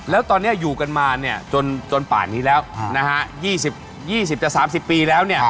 แล้วตอนนี้อยู่กันมาจนป่านนี้แล้ว๒๐จะ๓๐ปีแล้ว